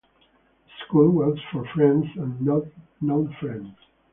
The school was for Friends and non-Friends.